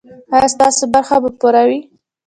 ایا ستاسو برخه به پوره وي؟